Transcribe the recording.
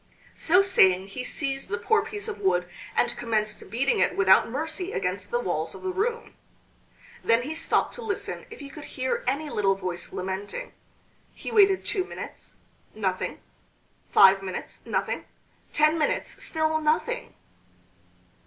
So saying he seized the poor piece of wood and commenced beating it without mercy against the walls of the room. Then he stopped to listen if he could hear any little voice lamenting. He waited two minutes nothing; five minutes nothing; ten minutes still nothing!